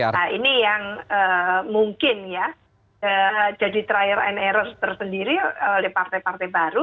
nah ini yang mungkin ya jadi trial and error tersendiri oleh partai partai baru